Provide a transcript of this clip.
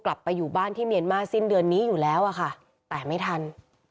กลับไปอยู่บ้านที่เมียนมาสิ้นเดือนนี้อยู่แล้วอะค่ะแต่ไม่ทัน